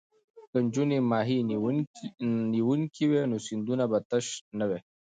که نجونې ماهي نیونکې وي نو سیندونه به تش نه وي.